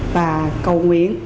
và cầu bệnh